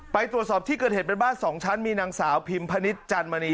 ไปตรวจสอบที่เกิดเหตุเป็นบ้าน๒ชั้นมีนางสาวพิมพนิษฐ์จันมณี